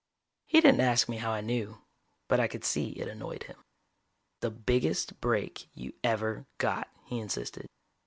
He didn't ask me how I knew, but I could see it annoyed him. "The biggest break you ever got," he insisted.